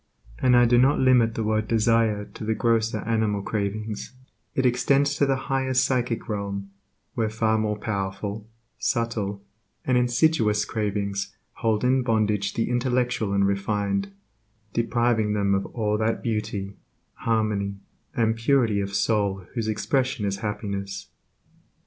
And I do not limit the word desire to the grosser animal cravings; it extends to the higher psychic realm, where far more powerful, subtle, and insidious cravings hold in bondage the intellectual and refined, depriving them of all that beauty, harmony, and purity of soul whose expression is happiness.